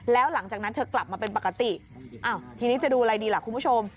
แล้วหลังจากนั้นเธอกลับมาเป็นปกติอ้าวทีนี้จะดูอะไรดีล่ะคุณผู้ชม